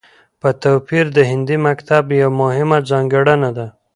په توپير د هندي مکتب يوه مهمه ځانګړنه ده